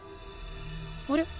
あれ？